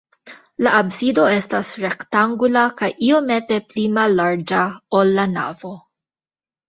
La absido estas rektangula kaj iomete pli mallarĝa, ol la navo.